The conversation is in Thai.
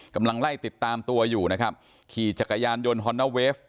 กำลังไล่ติดตามตัวอยู่นะครับขี่จักรยานยนต์ฮอนนาเวฟ